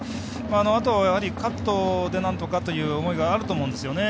あと、カットでなんとかという思いがあると思うんですよね